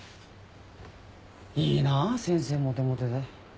いいな先生モテモテで。